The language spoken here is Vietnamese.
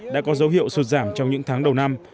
đã có dấu hiệu sụt giảm trong những tháng đầu năm